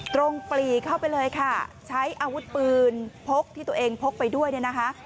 ปลีเข้าไปเลยค่ะใช้อาวุธปืนพกที่ตัวเองพกไปด้วยเนี่ยนะคะ